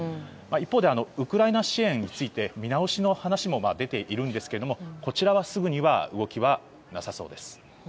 一方で、ウクライナ支援について見直しの話も出ているんですけどもこちらは、すぐには動きはなさそうです。